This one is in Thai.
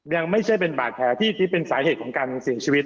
ยังไม่ใช่เป็นบาดแผลที่เป็นสาเหตุของการเสียชีวิต